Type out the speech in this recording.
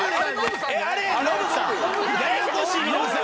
ややこしいノブさん！